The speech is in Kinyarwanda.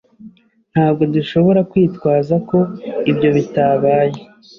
Ntabwo dushobora kwitwaza ko ibyo bitabaye.